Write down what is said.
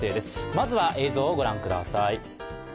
まずは映像をご覧ください。